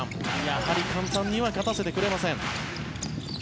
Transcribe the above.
やはり簡単には勝たせてくれません。